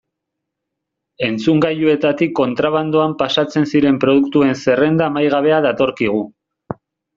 Entzungailuetatik kontrabandoan pasatzen ziren produktuen zerrenda amaigabea datorkigu.